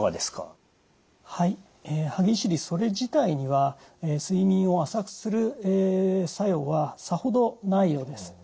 歯ぎしりそれ自体には睡眠を浅くする作用はさほどないようです。